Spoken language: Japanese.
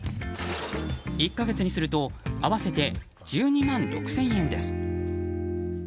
１か月にすると合わせて１２万６０００円です。